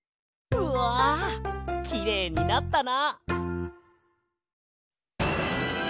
うわきれいになったな！